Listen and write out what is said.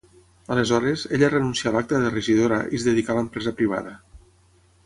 Aleshores, ella renuncià a l'acta de regidora i es dedicà a l'empresa privada.